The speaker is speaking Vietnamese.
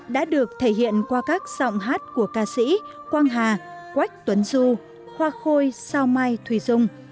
đã được thể hiện qua các giọng hát của ca sĩ quang hà quách tuấn du hoa khôi sao mai thùy dung